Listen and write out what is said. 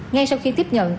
ngay sau khi tiếp nhận